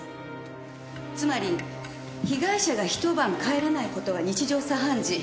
つまり被害者が一晩帰らない事は日常茶飯事。